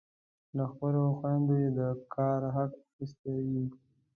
له خپلو خویندو یې د کار حق اخیستی وي.